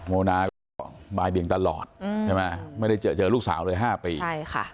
โมนาก็บายเบียงตลอดไม่ได้เจอลูกสาวเลย๕ปี